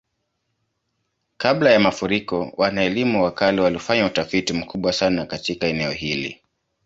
Kabla ya mafuriko, wana-elimu wa kale walifanya utafiti mkubwa sana katika eneo hili.